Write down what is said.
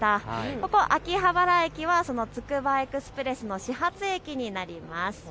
ここ秋葉原駅はそのつくばエクスプレスの始発駅になります。